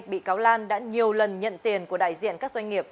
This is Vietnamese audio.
bị cáo lan đã nhiều lần nhận tiền của đại diện các doanh nghiệp